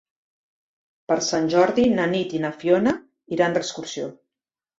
Per Sant Jordi na Nit i na Fiona iran d'excursió.